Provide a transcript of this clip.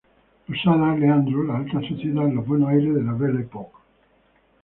Losada, Leandro, La alta sociedad en la Buenos Aires de la Belle Époque.